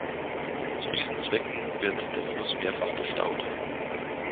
Zu diesen Zwecken wird der Fluss mehrfach gestaut.